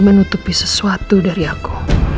menutupi sesuatu dari aku